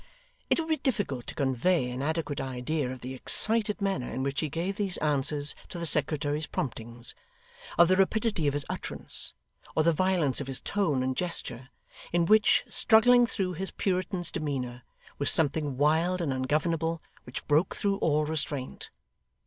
It would be difficult to convey an adequate idea of the excited manner in which he gave these answers to the secretary's promptings; of the rapidity of his utterance, or the violence of his tone and gesture; in which, struggling through his Puritan's demeanour, was something wild and ungovernable which broke through all restraint.